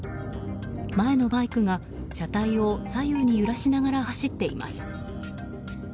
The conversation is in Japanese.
前のバイクが車体を左右に揺らしながら走っています。